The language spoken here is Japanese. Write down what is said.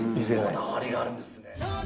こだわりがあるんですね。